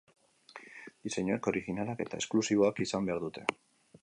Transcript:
Diseinuek orijinalak eta esklusiboak izan behar dute.